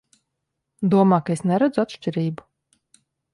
Domā, ka es neredzu atšķirību?